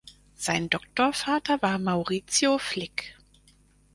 Sein Doktorvater war Maurizio Flick.